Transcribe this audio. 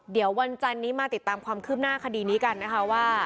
เดี๋ยววันจันนี้มาติดตามความคืบหน้าคดีนี้กันนะคะว่า